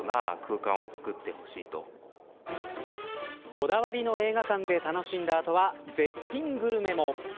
こだわりの映画館で楽しんだあとは絶品グルメも。